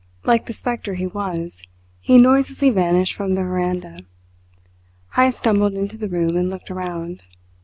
Like the spectre he was, he noiselessly vanished from the veranda. Heyst stumbled into the room and looked around.